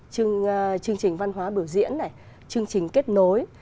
chương trình văn hóa biểu diễn này chương trình kết nối